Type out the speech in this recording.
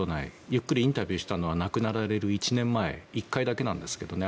ゆっくりインタビューしたのは亡くなられる１年前１回だけなんですけどね。